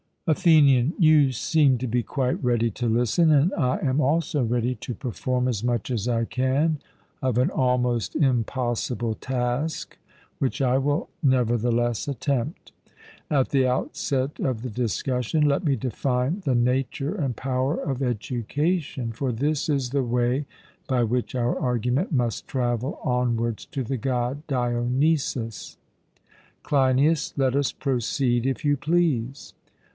ATHENIAN: You seem to be quite ready to listen; and I am also ready to perform as much as I can of an almost impossible task, which I will nevertheless attempt. At the outset of the discussion, let me define the nature and power of education; for this is the way by which our argument must travel onwards to the God Dionysus. CLEINIAS: Let us proceed, if you please.